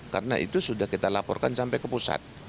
karena itu sudah kita laporkan sampai ke pusat